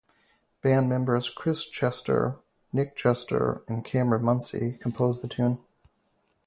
Band-members Chris Cester, Nic Cester, and Cameron Muncey composed the tune.